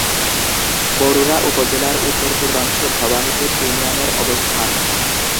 বরুড়া উপজেলার উত্তর-পূর্বাংশে ভবানীপুর ইউনিয়নের অবস্থান।